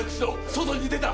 外に出た！